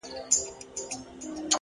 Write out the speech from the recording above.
د خاموش کور فضا د ذهن خبرې لوړوي’